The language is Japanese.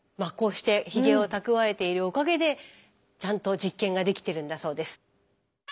こうしてひげを蓄えているおかげでちゃんと実験ができてるんだそうです。